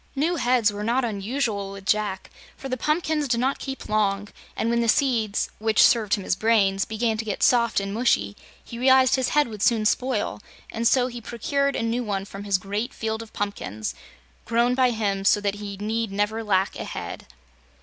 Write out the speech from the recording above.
New heads were not unusual with Jack, for the pumpkins did not keep long, and when the seeds which served him as brains began to get soft and mushy, he realized his head would soon spoil, and so he procured a new one from his great field of pumpkins grown by him so that he need never lack a head.